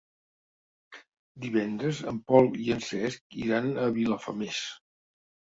Divendres en Pol i en Cesc iran a Vilafamés.